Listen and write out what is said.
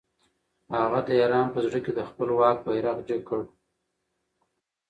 هغه د ایران په زړه کې د خپل واک بیرغ جګ کړ.